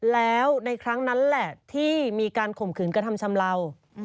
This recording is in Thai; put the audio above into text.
แล้วในครั้งนั้นแหละที่มีการข่มขืนกระทำชำเลา